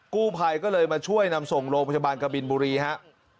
กู้ภัยก็เลยมาช่วยนำส่งโรงพยาบาลกบินบุรีครับ